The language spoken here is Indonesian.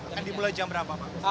akan dimulai jam berapa pak